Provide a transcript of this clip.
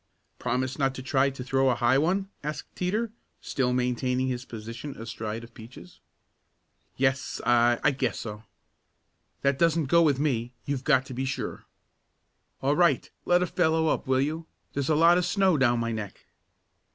"Promise not to try to throw a high one?" asked Teeter, still maintaining his position astride of Peaches. "Yes I I guess so." "That doesn't go with me; you've got to be sure." "All right, let a fellow up, will you? There's a lot of snow down my neck."